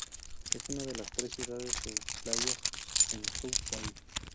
Es una de las tres ciudades de playas en South Bay.